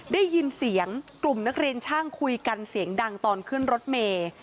ได้ยินเสียงกลุ่มนักเรียนช่างคุยกันเสียงดังตอนขึ้นรถเมย์